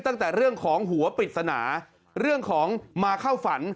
ตั้งแต่เรื่องของหัวปริศนาเรื่องของมาเข้าฝัน